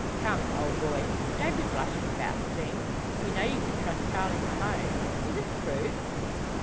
Come, old boy! Don't be blushing about the thing; you know you can trust Charley Mahon. Is it true?"